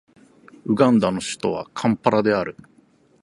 ウガンダの首都はカンパラである